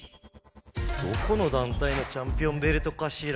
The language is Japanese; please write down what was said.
どこのだんたいのチャンピオンベルトかしら？